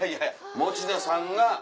持田さんが。